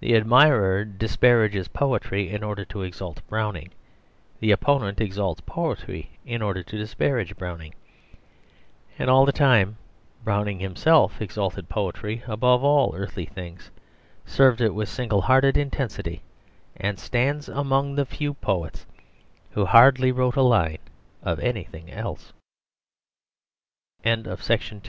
The admirer disparages poetry in order to exalt Browning; the opponent exalts poetry in order to disparage Browning; and all the time Browning himself exalted poetry above all earthly things, served it with single hearted intensity, and stands among the few poets who hardly wrote a line of anything else. The whole of the boyhood and youth of Robert Browning